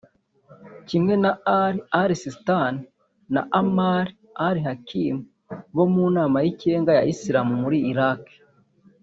Kimwe na Ali al-Sistani na Ammar al-Hakim bo mu Nama y’Ikirenga ya Islam muri Iraq